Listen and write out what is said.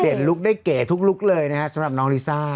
เปลี่ยนลุคได้เก่ทุกเลยนะฮะสำหรับน้องลิซ่า